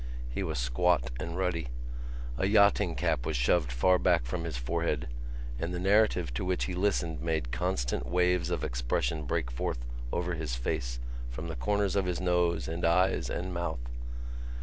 He was squat and ruddy. A yachting cap was shoved far back from his forehead and the narrative to which he listened made constant waves of expression break forth over his face from the corners of his nose and eyes and mouth.